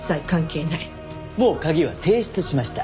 もう鍵は提出しました。